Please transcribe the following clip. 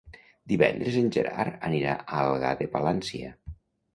Divendres en Gerard anirà a Algar de Palància.